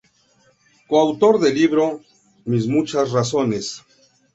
Co autor del libro ""Mis muchas razones.